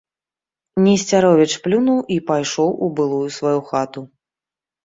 Несцяровіч плюнуў і пайшоў у былую сваю хату.